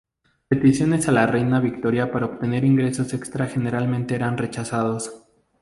Peticiones a la reina Victoria para obtener ingresos extra generalmente eran rechazados.